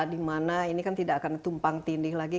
dimana ini kan tidak akan tumpang tindih lagi